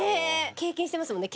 経験してますもんね